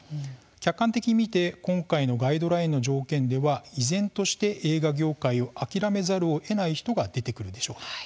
客観的に見て今回のガイドラインの条件では依然として映画業界を諦めざるをえない人が出てくるでしょう。